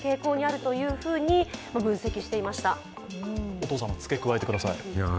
お父様、付け加えてください。